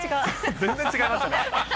全然違いましたね。